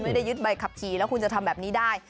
ไม่ได้ยึดใบขับขี่แล้วคุณจะทำแบบนี้ได้